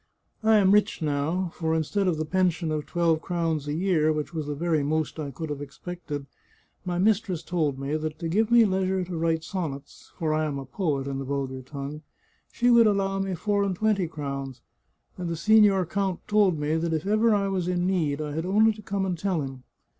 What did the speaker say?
I am rich now, for instead of the pension of twelve crowns a year, which was the very most I could have ex pected, my mistress told me that to give me leisure to write sonnets (for I am a poet in the vulgar tongue) she would allow me four and twenty crowns; and the signor count told me that if ever I was in need I had only to come and tell him.